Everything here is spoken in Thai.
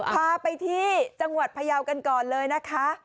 พาไปที่จังหวัดพยาวกันก่อนเลยนะคะ